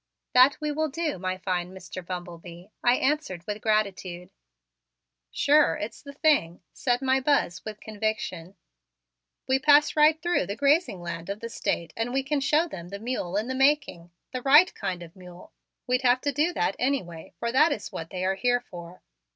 "That we will do, my fine Mr. Bumble Bee," I answered with gratitude. "Sure, it's the thing," said my Buzz with conviction. "We pass right through the grazing land of the State and we can show them the mule in the making the right kind of mule. We'd have to do that anyway, for that is what they are here for."